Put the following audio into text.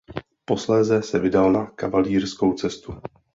Posléze se vydal na kavalírskou cestu.